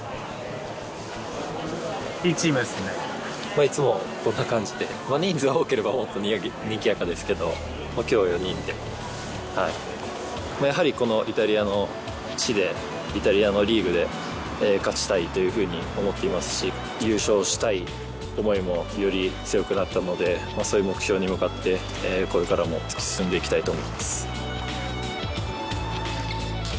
まぁいつもこんな感じで人数多ければにぎやかですけど今日は４人ではいやはりこのイタリアの地でイタリアのリーグで勝ちたいというふうに思っていますし優勝したい思いもより強くなったのでそういう目標に向かってこれからも突き進んでいきたいと思います